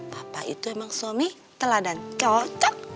papa itu emang suami telah dan cocok